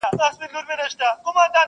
چي مُلا دي راته لولي زه سلګی درته وهمه،